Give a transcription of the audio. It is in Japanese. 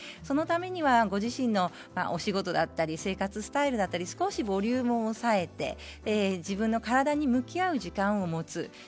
そのためにご自身のお仕事だったり生活スタイルだったり少しボリュームを抑えて自分の体に向き合う時間を持つ。